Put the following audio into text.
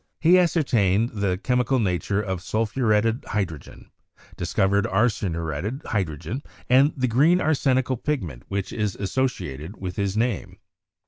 He ascertained the chemi cal nature of sulphuretted hydrogen, discovered arsen uretted hydrogen, and the green arsenical pigment which is associated with his name.